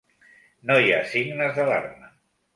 No hi ha signes d'alarma.